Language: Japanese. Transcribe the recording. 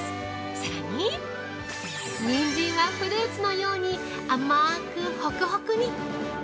さらに、ニンジンはフルーツのように甘くホクホクに。